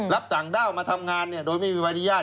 รับต่างด้าวมาทำงานโดยไม่มีบริญญาณ